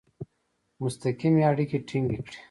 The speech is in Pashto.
مستقیم اړیکي ټینګ کړي.